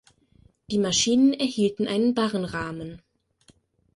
Die Maschinen erhielten einen Barrenrahmen.